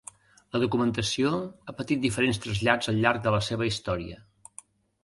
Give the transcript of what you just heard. La documentació ha patit diferents trasllats al llarg de la seva història.